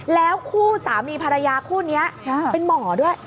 แล้วคู่สามีภรรยาคู่นี้เป็นหมอด้วย